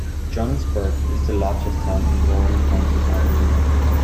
Johnsburg is the largest town in Warren County by area.